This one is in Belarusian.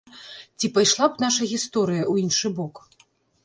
Ці пайшла б наша гісторыя ў іншы бок?